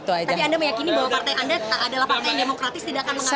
tapi anda meyakini bahwa partai anda adalah partai yang demokratis tidak akan mengawasi